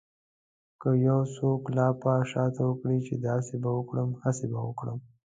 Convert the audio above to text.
که يو څوک لاپه شاپه وکړي چې داسې به وکړم هسې به وکړم.